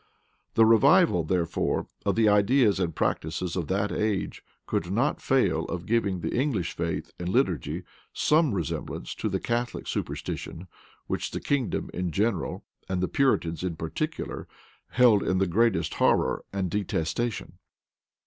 The revival, therefore, of the ideas and practices of that age, could not fail of giving the English faith and liturgy some resemblance to the Catholic superstition, which the kingdom in general, and the Puritans in particular, held in the greatest horror and detestation.